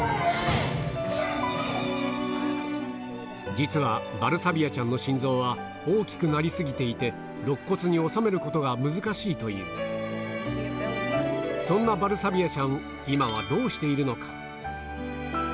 実はバルサビアちゃんの心臓は大きくなり過ぎていてろっ骨に収めることが難しいというそんなバルサビアちゃん